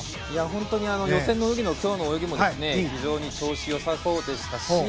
本当に予選の時の今日の泳ぎも非常に調子よさそうでしたし